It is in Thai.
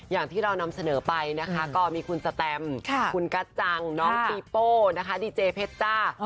อย่างที่เรานำเสนอไปนะคะก็มีคุณสแตมคุณกัจจังน้องปีโป้นะคะดีเจเพชรจ้า